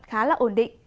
khá là ổn định